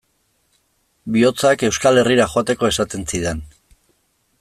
Bihotzak Euskal Herrira joateko esaten zidan.